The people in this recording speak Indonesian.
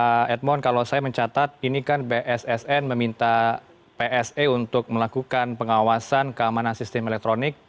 pak edmond kalau saya mencatat ini kan bssn meminta pse untuk melakukan pengawasan keamanan sistem elektronik